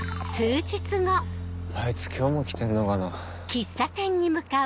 あいつ今日も来てんのかな。